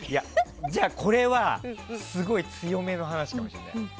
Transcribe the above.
じゃあ、これはすごい強めの話かもしれない。